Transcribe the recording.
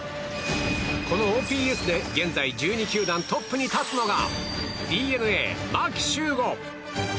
このＯＰＳで現在１２球団トップに立つのがＤｅＮＡ、牧秀悟。